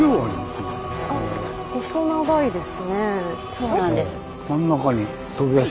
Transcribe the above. そうなんです。